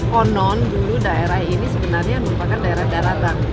konon dulu daerah ini sebenarnya merupakan daerah daratan